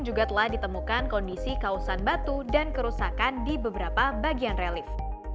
juga telah ditemukan kondisi kausan batu dan kerusakan di beberapa bagian relift